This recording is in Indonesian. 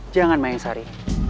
jangan main sari